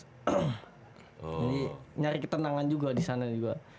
jadi nyari ketenangan juga di sana juga